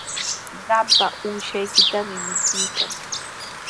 Qampa uushaykitami michiykan.